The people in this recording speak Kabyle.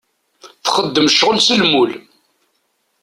Txeddem ccɣel s lmul.